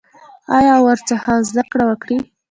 آیا او ورڅخه زده کړه وکړي؟